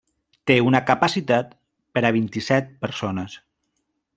Té una capacitat per a vint-i-set persones.